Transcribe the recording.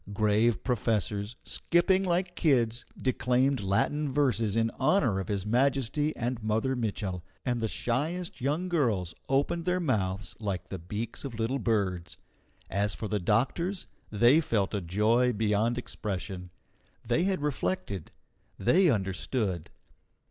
Grave professors, skipping like kids, declaimed Latin verses in honour of His Majesty and Mother Mitchel, and the shyest young girls opened their mouths like the beaks of little birds. As for the doctors, they felt a joy beyond expression. They had reflected. They understood.